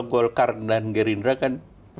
golkar dan gerindra kan